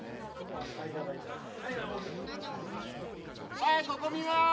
はいここ見ます！